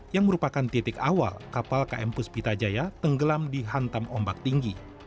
yang merupakan titik awal kapal kempus pitajaya tenggelam di hantam ombak tinggi